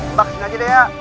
mbak kesini aja deh ya